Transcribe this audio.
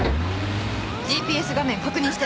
ＧＰＳ画面確認して。